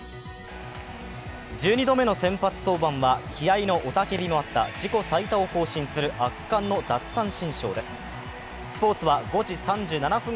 １２度目の先発登板は気合いの雄たけびのあった自己最多を更新する圧巻の奪三振ショーです。